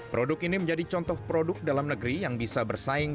produk ini menjadi contoh produk dalam negeri yang bisa bersaing